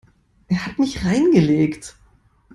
Er hat mich reingelegt.